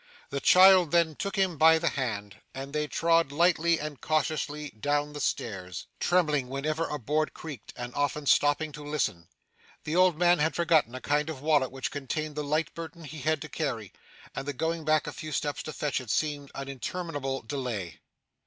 The child then took him by the hand, and they trod lightly and cautiously down the stairs, trembling whenever a board creaked, and often stopping to listen. The old man had forgotten a kind of wallet which contained the light burden he had to carry; and the going back a few steps to fetch it seemed an interminable delay.